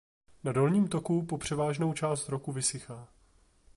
Na dolním toku po převážnou část roku vysychá.